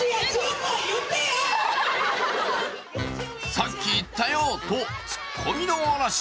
さっき言ったよ！とツッコミの嵐。